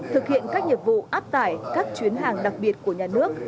thực hiện các nhiệm vụ áp tải các chuyến hàng đặc biệt của nhà nước